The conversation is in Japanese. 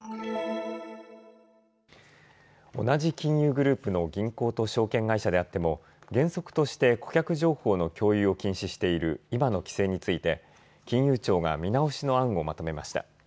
同じ金融グループの銀行と証券会社であっても原則として顧客情報の共有を禁止している今の規制について金融庁が見直しの案をまとめました。